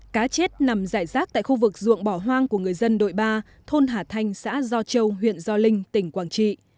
cá chết nằm rải rác tại khu vực ruộng bỏ hoang của người dân đội ba thôn hà thanh xã do châu huyện do linh tỉnh quảng trị